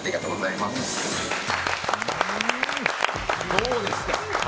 どうですか？